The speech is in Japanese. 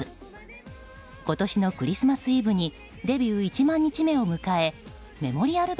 今年のクリスマスイブにデビュー１万日目を迎えメモリアル